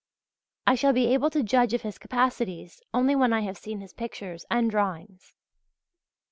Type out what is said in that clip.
I shall be able to judge of his capacities only when I have seen his pictures and drawings.